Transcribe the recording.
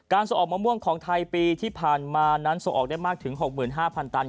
ส่งออกมะม่วงของไทยปีที่ผ่านมานั้นส่งออกได้มากถึง๖๕๐๐ตัน